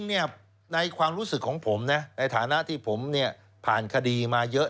ในความรู้สึกของผมนะในฐานะที่ผมเนี่ยผ่านคดีมาเยอะ